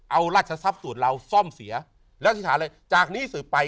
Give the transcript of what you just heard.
เอาราชศัพท์ส่วนเราซ่อมเสียแล้วทิฐานเลยจากนี้สู่ไป